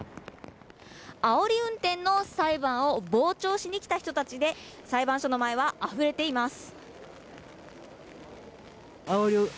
あおり運転の裁判を傍聴しに来た人たちで裁判所の前はあふれています。